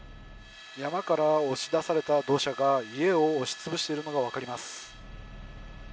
山から押し出された土砂が家を押しつぶしているのが分かります。